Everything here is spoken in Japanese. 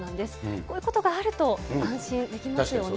こういうことがあると安心できますよね。